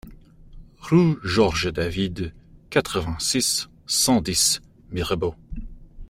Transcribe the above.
Rue Georges David, quatre-vingt-six, cent dix Mirebeau